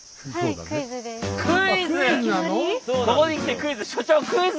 クイズ！